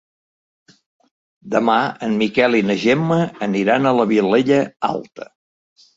Demà en Miquel i na Gemma aniran a la Vilella Alta.